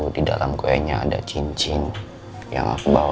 di dalam kuenya ada cincin yang aku bawain buat dia